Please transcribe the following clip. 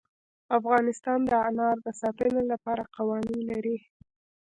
افغانستان د انار د ساتنې لپاره قوانین لري.